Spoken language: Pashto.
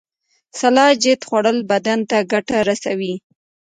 سلاجید خوړل بدن ته ګټه رسوي